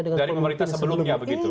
dari memanfaatkan sebelumnya begitu